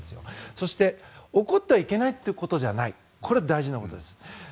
そして怒ってはいけないということではないこれ、大事なことです。